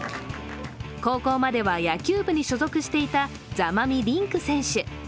高校までは野球部に所属していた座間味凜玖選手。